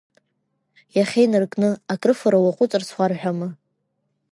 Иахьа инаркны, акрыфара уаҟәыҵырц уарҳәама?